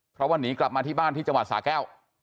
เพราะว่าหนีกลับมาที่บ้านที่จังหวัดสาแก้ว